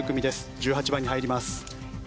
１８番に入ります。